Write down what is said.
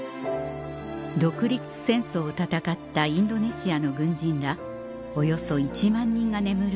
独立戦争を戦ったインドネシアの軍人らおよそ１万人が眠る